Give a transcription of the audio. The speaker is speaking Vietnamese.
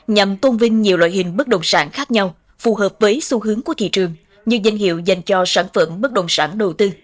nhằm tôn vinh nhiều loại hình bất động sản khác nhau phù hợp với xu hướng của thị trường như danh hiệu dành cho sản phẩm bất đồng sản đầu tư